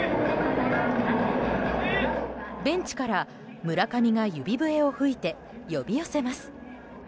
ベンチから村上が指笛を吹いて呼び寄せます。